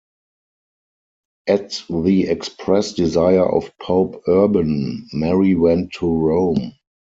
At the express desire of Pope Urban, Mary went to Rome.